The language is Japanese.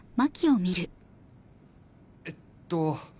えっと。